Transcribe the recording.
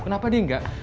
kenapa dia gak